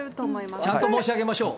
ちゃんと申し上げましょう。